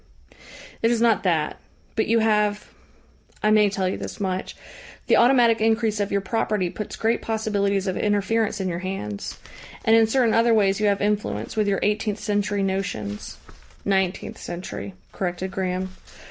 "It is not that. But you have I may tell you this much the automatic increase of your property puts great possibilities of interference in your hands. And in certain other ways you have influence, with your eighteenth century notions." "Nineteenth century," corrected Graham.